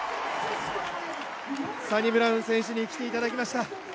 サニブラウン選手に来ていただきました。